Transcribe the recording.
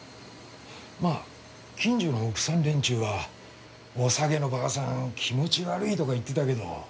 まあ近所の奥さん連中は「おさげのばあさん気持ち悪い」とか言ってたけど。